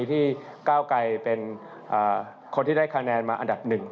ที่ก้าวไกรเป็นคนที่ได้คะแนนมาอันดับหนึ่ง